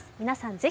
皆さん